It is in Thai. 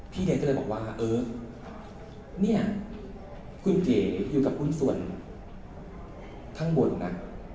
พี่เรียนก็เลยบอกว่าเอิ๊กเนี่ยคุณเก๋อยู่กับคุณส่วนข้างบนนะ